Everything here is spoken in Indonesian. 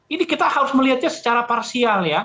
ini kita harus melihatnya secara parsial ya